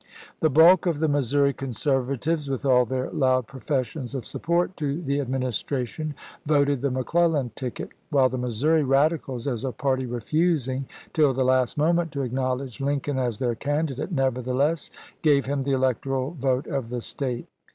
The bulk of the Missouri Conservatives, with all their loud professions of support to the Administration, voted the McClellan ticket; while the Missouri Radicals, as a party refusing till the last moment to acknowledge Lincoln as their candidate, neverthe less gave him the electoral vote of the State.